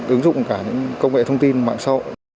ứng dụng cả những công nghệ thông tin mạng sâu